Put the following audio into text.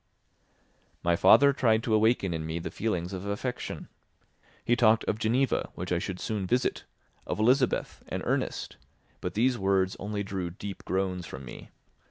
My father tried to awaken in me the feelings of affection. He talked of Geneva, which I should soon visit, of Elizabeth and Ernest; but these words only drew deep groans from me.